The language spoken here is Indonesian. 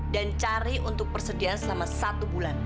dan cari untuk persediaan selama satu bulan